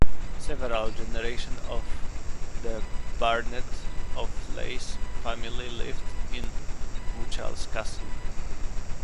Several generations of the Burnett of Leys family lived in Muchalls Castle.